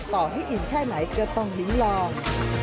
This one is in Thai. ต่อให้อิ่มแค่ไหนก็ต้องลิ้มลอง